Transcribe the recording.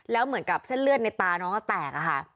แล้วเหมือนกับเส้นเลือดในตาน้องก็แตกอะค่ะ